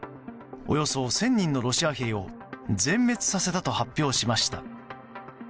およそ１０００人のロシア兵を全滅させたと発表しました。